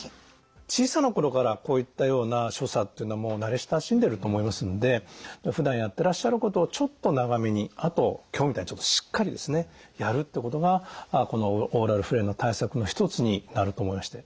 小さな頃からこういったような所作っていうのはもう慣れ親しんでると思いますのでふだんやっていらっしゃることをちょっと長めにあと今日みたいにちょっとしっかりですねやるってことがこのオーラルフレイルの対策の一つになると思いまして。